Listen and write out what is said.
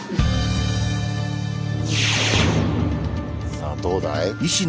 さあどうだい？